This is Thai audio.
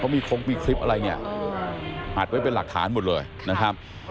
มีคงมีคลิปอะไรเนี่ยอัดไว้เป็นหลักฐานหมดเลยนะครับ